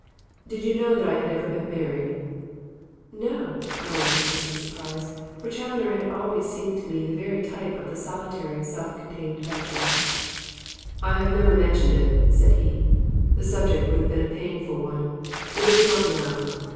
Did you know that I had ever been married?" "No," I answered in some surprise; for Challoner had always seemed to me the very type of the solitary, self contained bachelor. "I have never mentioned it," said he. "The subject would have been a painful one. It is not now.